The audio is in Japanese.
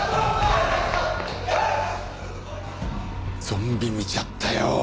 ゾンビ見ちゃったよ。